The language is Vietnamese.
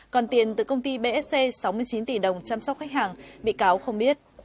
còn tiền từ công ty bsc sáu mươi chín tỷ đồng chăm sóc khách hàng bị cáo không biết